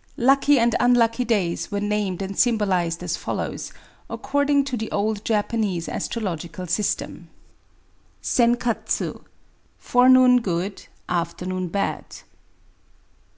*'' Lucky and unlucky days were named and symbolised as follows, according to the old Japanese astrolopcal system :— SxNKATsu :^ forenoon good j afternoon bad.